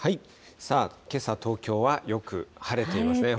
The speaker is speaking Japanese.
さあ、けさ、東京はよく晴れていますね。